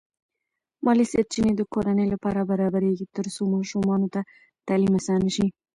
مالی سرچینې د کورنۍ لپاره برابرېږي ترڅو ماشومانو ته تعلیم اسانه شي.